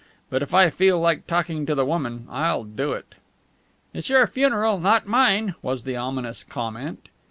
But if I feel like talking to the woman I'll do it." "It's your funeral, not mine," was the ominous comment.